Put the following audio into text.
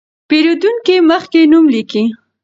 پېرېدونکي مخکې نوم لیکي.